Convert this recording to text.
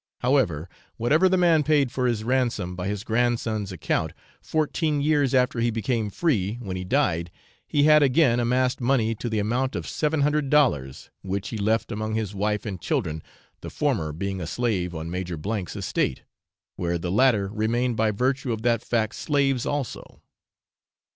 However, whatever the man paid for his ransom, by his grandson's account, fourteen years after he became free, when he died, he had again amassed money to the amount of 700 dollars, which he left among his wife and children, the former being a slave on Major 's estate, where the latter remained by virtue of that fact slaves also.